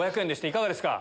いかがですか？